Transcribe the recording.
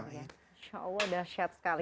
insya allah dahsyat sekali